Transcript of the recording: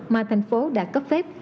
mà thành phố đã cấp phép